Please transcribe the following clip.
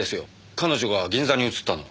彼女が銀座に移ったの。